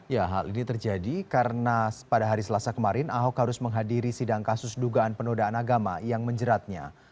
ya hal ini terjadi karena pada hari selasa kemarin ahok harus menghadiri sidang kasus dugaan penodaan agama yang menjeratnya